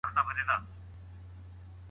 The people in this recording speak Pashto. د نړۍ ډېر هېوادونه پکې ګډون کوي.